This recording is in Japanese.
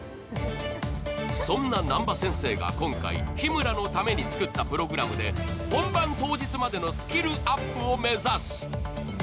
そんな南波先生が今回日村のために作ったプログラムで本番当日までのスキルアップを目指す。